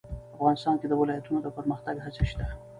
افغانستان کې د ولایتونو د پرمختګ هڅې شته.